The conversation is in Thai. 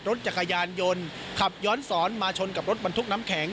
รถจักรยานยนต์ขับย้อนสอนมาชนกับรถบรรทุกน้ำแข็ง